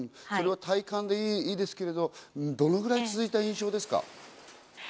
それが体感でいいんですけど、どのくらい続いた印象ですか？